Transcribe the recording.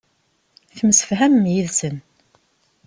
Temsefhamem yid-sen.